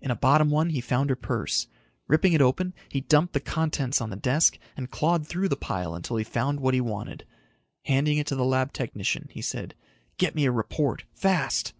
In a bottom one he found her purse. Ripping it open, he dumped the contents on the desk and clawed through the pile until he found what he wanted. Handing it to the lab technician, he said, "Get me a report. Fast."